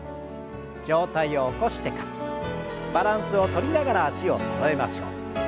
上体を起こしてからバランスをとりながら脚をそろえましょう。